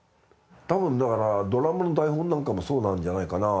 多分だからドラマの台本なんかもそうなんじゃないかな。